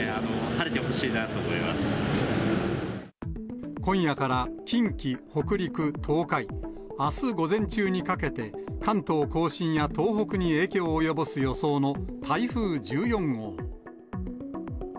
晴れてほしいな今夜から近畿、北陸、東海、あす午前中にかけて、関東甲信や東北に影響を及ぼす予想の台風１４号。